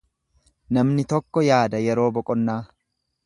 Namni tokko yaada yeroo boqonnaa.